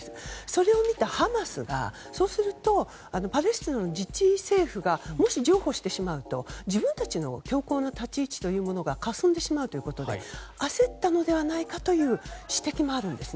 それを見たハマスが、そうするとパレスチナの自治政府がもし譲歩してしまうと自分たちの強硬な立ち位置というものがかすんでしまうということで焦ったのではないかという指摘もあるんです。